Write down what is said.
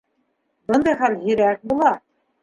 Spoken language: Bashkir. Бындай хәл һирәк була.